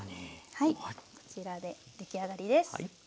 はいこちらで出来上がりです。